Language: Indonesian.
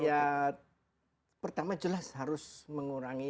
ya pertama jelas harus mengurangi